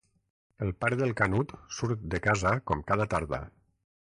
El pare del Canut surt de casa com cada tarda.